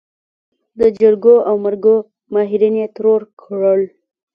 د جرګو او مرکو ماهرين يې ترور کړل.